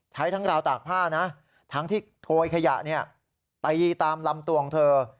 ใช้ทั้งราวตากผ้านะทั้งที่โกยขยะเนี่ยตีตามลำตวงเธอ